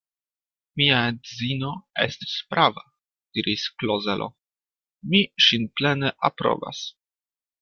Mia edzino estas prava, diris Klozelo: mi ŝin plene aprobas.